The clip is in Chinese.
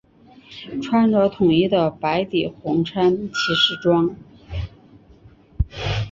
穿着统一的白底红衬骑士装。